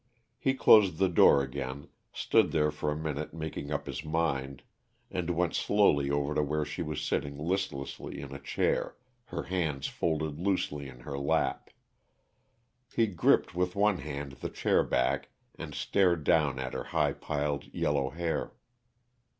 He closed the door again, stood there for a minute making up his mind, and went slowly over to where she was sitting listlessly in a chair, her hands folded loosely in her lap. He gripped with one hand the chairback and stared down at her high piled, yellow hair.